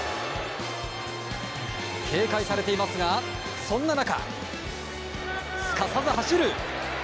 警戒されていますがそんな中、すかさず走る！